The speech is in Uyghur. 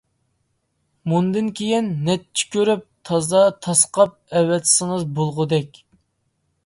مۇندىن كىيىن. نەچچە كۆرۈپ، تازا تاسقاپ ئەۋەتسىڭىز بولغۇدەك.